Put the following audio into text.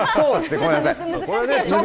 ごめんなさい。